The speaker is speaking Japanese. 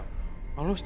あの人？